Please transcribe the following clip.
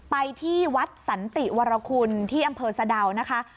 ไปที่วัดสันติวรคุณที่อำเภอสะดาวนะคะ